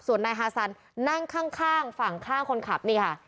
ส่วนนายฮาซันนั่งข้างฝั่งข้างคนขับนี่ค่ะ